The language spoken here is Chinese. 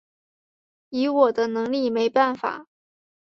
以我的能力没办法